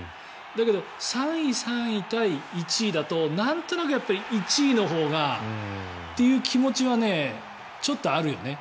だけど３位、３位対１位だとなんとなく１位のほうがという気持ちはちょっとあるよね。